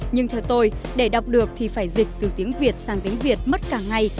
nhưng theo tôi để đọc được thì phải dịch từ tiếng việt sang tiếng việt mất cả ngày